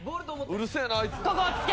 うるせえなあいつ。